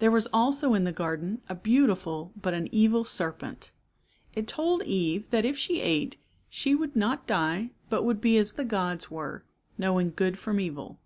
There was also in the garden a beautiful but an evil serpent. It told Eve that if she ate she would not die but would be as the gods were, knowing good from evil.